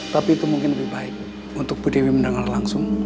tapi itu mungkin lebih baik untuk bu dewi mendengar langsung